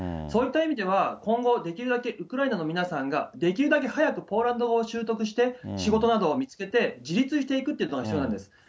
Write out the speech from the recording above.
そういった意味では、今後、できるだけ、ウクライナの皆さんが、できるだけ早くポーランド語を習得して、仕事などを見つけて、自立していくっていうのが必要なんです。